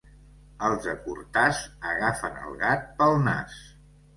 Els de Cortàs agafen el gat pel nas.